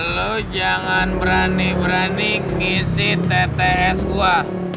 lo jangan berani berani ngisi tts buah